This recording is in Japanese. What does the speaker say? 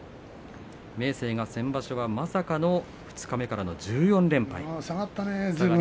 明生は先場所まさかの二日目からの１４連敗。